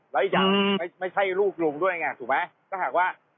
แล้วอีกอย่างไม่ใช่ลูกลุงด้วยนะถูกไหม